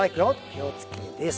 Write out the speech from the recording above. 気を付けです。